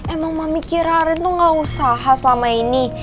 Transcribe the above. emang mami kira arin tuh gak usaha selama ini